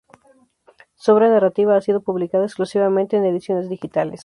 Su obra en narrativa ha sido publicada exclusivamente en ediciones digitales.